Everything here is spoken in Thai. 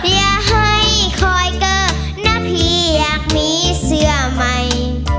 อย่าให้คอยเกิดนะพี่อยากมีเสื้อใหม่